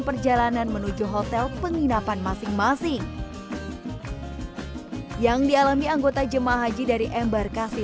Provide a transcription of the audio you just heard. perjalanan menuju hotel penginapan masing masing yang dialami anggota jemaah haji dari embarkasi